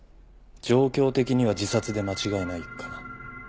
状況的には自殺で間違いないかな。